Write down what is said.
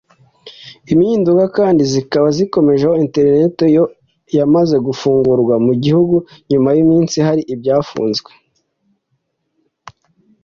impinduka kandi zikaba zikomeje aho internet yo yamaze gufungurwa mu gihugu nyuma y’iminsi hari ibyafunzwe